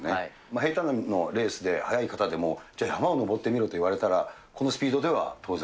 平たんなレースで速い方でも、じゃあ、山を登ってみろって言われたら、このスピードでは当然？